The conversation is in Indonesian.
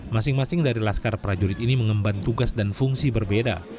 masing masing dari laskar prajurit ini mengemban tugas dan fungsi berbeda